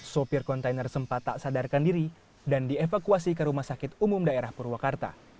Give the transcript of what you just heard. sopir kontainer sempat tak sadarkan diri dan dievakuasi ke rumah sakit umum daerah purwakarta